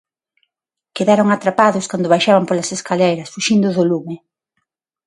Quedaron atrapados cando baixaban polas escaleiras fuxindo do lume.